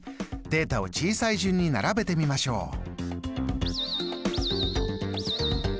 データを小さい順に並べてみましょう。